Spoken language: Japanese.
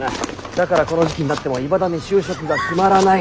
だからこの時期になってもいまだに就職が決まらない。